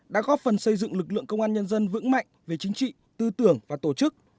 đã góp phần xây dựng lực lượng công an nhân dân vững mạnh về chính trị tư tưởng và tổ chức